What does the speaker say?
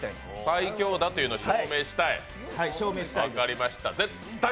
最強だというのを証明したい、分かりました。